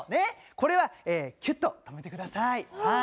これはきゅっと止めてください。